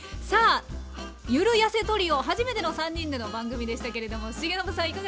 さあゆるやせトリオ初めての３人での番組でしたけれども重信さん